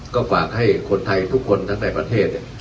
ก็ฝากให้คนไทยทุกคนทั้งในประเทศ